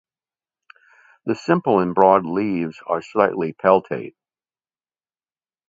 The simple and broad leaves are slightly peltate.